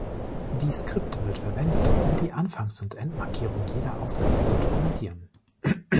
Die Script wird verwendet, um die Anfangs- und Endmarkierung jeder Aufnahme zu dokumentieren.